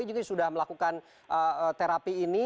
juga sudah melakukan terapi ini